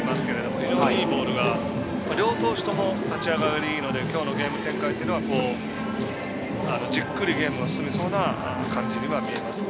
きょうの両投手立ち上がり、いいのできょうのゲーム展開というのはじっくりゲームが進めそうな感じには見えますね。